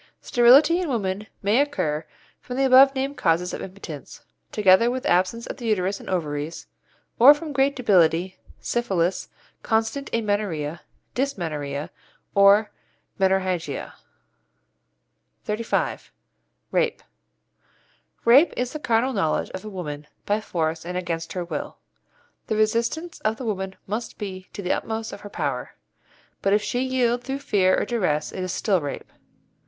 Sterility in women may occur from the above named causes of impotence, together with absence of the uterus and ovaries, or from great debility, syphilis, constant amenorrhoea, dysmenorrhoea, or menorrhagia. XXXV. RAPE Rape is the carnal knowledge of a woman by force and against her will. The resistance of the woman must be to the utmost of her power, but if she yield through fear or duress it is still rape.